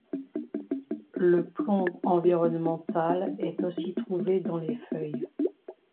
Le plomb environnemental est aussi trouvé dans les feuilles.